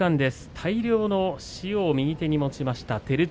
大量の塩を右手で持ちました照強。